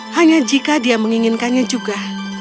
hanya jika dia menginginkannya juga